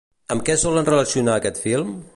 Amb què solen relacionar aquest film?